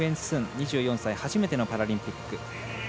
２４歳初めてのパラリンピック。